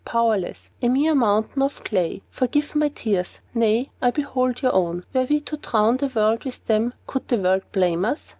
Powerless! A mere mountain of clay! Forgive my tears! Nay, I behold your own. Were we to drown the world with them, could the world blame us?